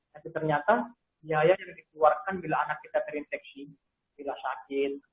tapi ternyata biaya yang dikeluarkan bila anak kita terinfeksi bila sakit